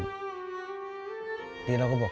พ่อลูกรู้สึกปวดหัวมาก